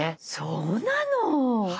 そうなの！